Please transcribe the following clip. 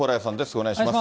お願いします。